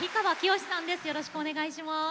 よろしくお願いします。